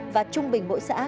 và trung bình mỗi xã